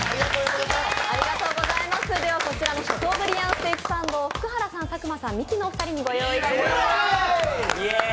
こちらのシャトーブリアンステーキサンドを福原さん、佐久間さん、ミキのお二人に召し上がっていただきます。